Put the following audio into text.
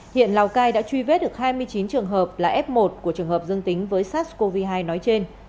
hiện lào cai đã truy vết được hai mươi chín trường hợp là f một của trường hợp dương tính với sars cov hai nói trên